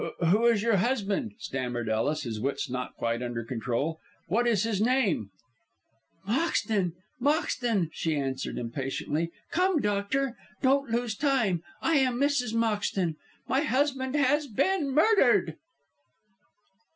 "Who is your husband?" stammered Ellis, his wits not quite under control. "What is his name?" "Moxton! Moxton!" she answered impatiently. "Come, doctor, don't lose time! I am Mrs. Moxton. My husband has been murdered!"